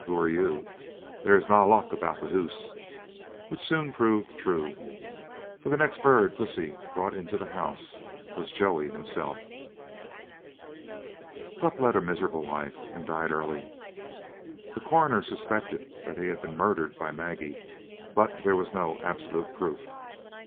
Who are you? There is na luck aboot the hoose," which soon proved true, for the next bird Pussy brought into the house was Joey himself. Pup led a miserable life, and died early. The coroner suspected that he had been murdered by Maggie, but there was no absolute proof.